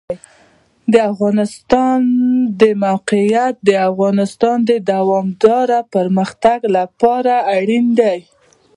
د افغانستان د موقعیت د افغانستان د دوامداره پرمختګ لپاره اړین دي.